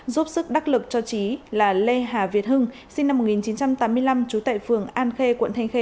giúp sức đắc lực cho trí là lê hà việt hưng sinh năm một nghìn chín trăm tám mươi năm trú tại phường an khê quận thanh khê